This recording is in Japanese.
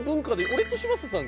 俺と嶋佐さん